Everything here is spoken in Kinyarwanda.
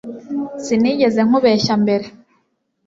Sinigeze nkubeshya mbere